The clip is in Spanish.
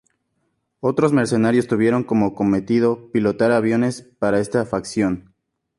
Otros mercenarios tuvieron como cometido pilotar aviones para esta facción.